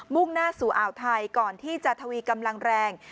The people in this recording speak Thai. ่งหน้าสู่อ่าวไทยก่อนที่จะทวีกำลังแรง